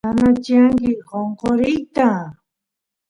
nanachiani qonqoriyta